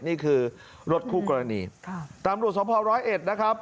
นี่คือรถคู่กรณีตามรวชสภาพร้อยเอ็ดนะครับ